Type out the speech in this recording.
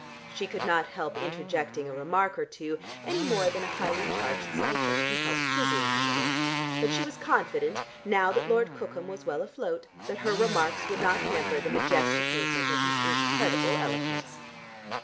She could not help interjecting a remark or two any more than a highly charged syphon can help sizzling a little, but she was confident, now that Lord Cookham was well afloat, that her remarks would not hamper the majestic movement of his incredible eloquence.